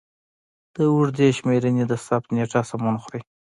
د اوږدې شمېرنې د ثبت نېټه سمون خوري.